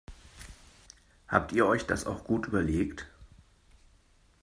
Habt ihr euch das auch gut überlegt?